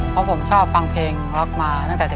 เพราะผมชอบฟังเพลงร็อกมาตั้งแต่